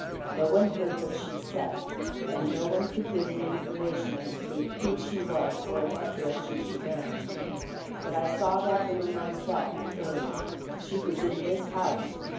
No one heard what she said; and no one could give any information as to who she was or in what direction she vanished. But I saw that woman myself, earlier. She was in this house.